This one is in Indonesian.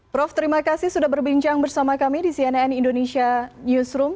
prof terima kasih sudah berbincang bersama kami di cnn indonesia newsroom